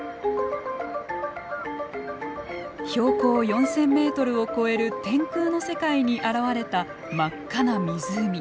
標高４，０００メートルを超える天空の世界に現れた真っ赤な湖。